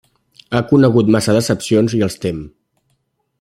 Ha conegut massa decepcions i els tem.